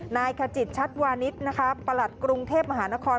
นายขจิตชัดวานิสนะคะประหลัดกรุงเทพมหานคร